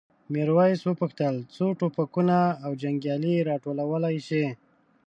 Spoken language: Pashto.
میرويس وپوښتل څو ټوپکونه او جنګیالي راټولولی شئ؟